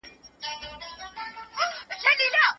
دوی د پرمختګ لاره وښودله.